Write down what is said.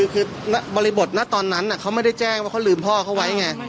คือบริบทนะตอนนั้นเขาไม่ได้แจ้งว่าเขาลืมพ่อเขาไว้ไง